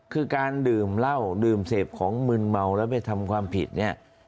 คือการดื่มเหล้าดื่มเสพของมืนเมาแล้วไปทำความผิดเนี่ย